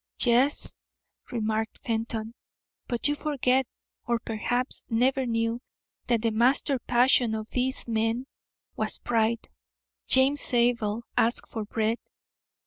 "Yes," remarked Fenton, "but you forget or perhaps never knew that the master passion of these men was pride. James Zabel ask for bread!